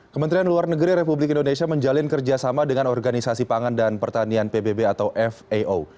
kementerian luar negeri republik indonesia menjalin kerjasama dengan organisasi pangan dan pertanian pbb atau fao